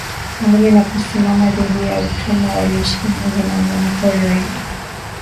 Pamoja na kusimama dhidi ya utumwa waliishi pamoja na wanyama pori wengi